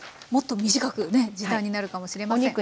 もっと短くね時短になるかもしれません。